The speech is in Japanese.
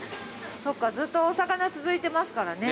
そっかずっとお魚続いてますからね。